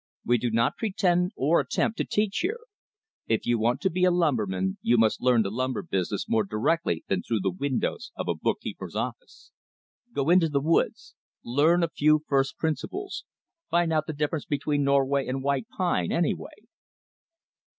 We do not pretend or attempt to teach here. If you want to be a lumberman, you must learn the lumber business more directly than through the windows of a bookkeeper's office. Go into the woods. Learn a few first principles. Find out the difference between Norway and white pine, anyway."